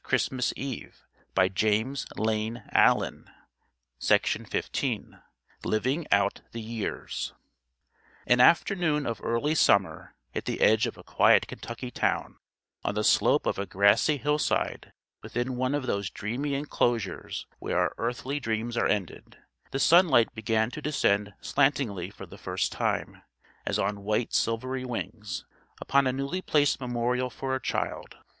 My wife, I have come to you...! Will you come to him...?" VI LIVING OUT THE YEARS AN afternoon of early summer, at the edge of a quiet Kentucky town, on the slope of a grassy hillside within one of those dreamy enclosures where our earthly dreams are ended, the sunlight began to descend slantingly for the first time as on white silvery wings upon a newly placed memorial for a child.